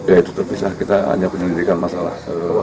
ya itu terpisah kita hanya penyelidikan masalah